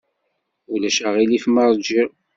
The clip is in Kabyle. Ulac aɣilif ma ṛjiɣ.